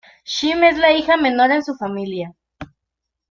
Shim es la hija menor en su familia.